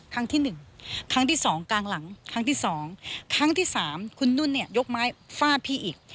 ครั้งที่หนึ่งครั้งที่สองกลางหลังครั้งที่สองครั้งที่สามคุณนุ่นเนี่ยยกไม้ฟาดพี่อีก